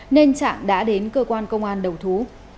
nên trạng đã đến cơ quan công an đầu thú